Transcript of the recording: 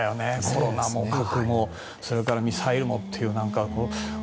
コロナも核もそれからミサイルもって。